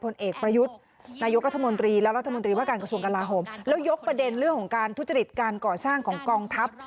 เรื่องของการทุจริตการก่อสร้างของกองทัพ